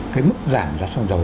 cái mức giảm giá xăng dầu